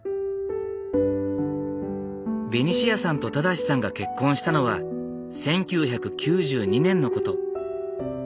ベニシアさんと正さんが結婚したのは１９９２年のこと。